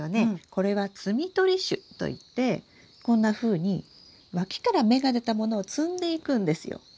これは「摘み取り種」といってこんなふうに脇から芽が出たものを摘んでいくんですよ。